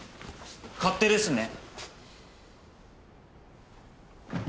勝手ですね。